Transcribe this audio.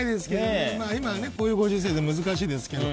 今はこういうご時世で難しいですけど。